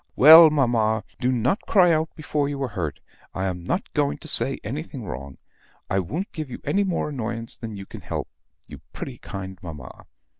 "Well, mamma! Do not cry out before you are hurt. I am not going to say anything wrong. I won't give you more annoyance than you can help, you pretty kind mamma.